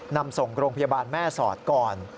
นำส่งโรงพยาบาลแม่สอดก่อน